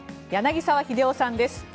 柳澤秀夫さんです。